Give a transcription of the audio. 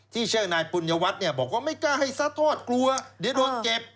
ที่เชิงนายปุญวัฒน์บอกว่าไม่กล้าให้ซัดทอดกลัวเดี๋ยวโดนเก็บ